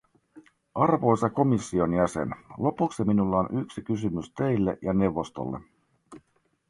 Arvoisa komission jäsen, lopuksi minulla on yksi kysymys teille ja neuvostolle.